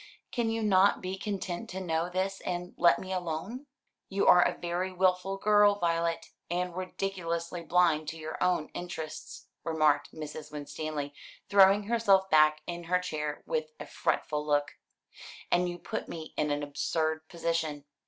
Can you not be content to know this and let me alone?" "You are a very wilful girl, Violet, and ridiculously blind to your own interests," remarked Mrs. Winstanley, throwing herself back in her chair with a fretful look, "and you put me in an absurd position.